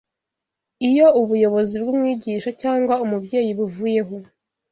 Iyo ubuyobozi bw’umwigisha cyangwa umubyeyi buvuyeho,